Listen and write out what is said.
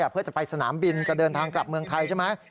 เพื่อจะไปสนามบินจะเดินทางกลับเมืองไทยใช่ไหม